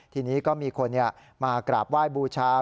ทีนี้ก็มีคนมากราบไหว้บูชา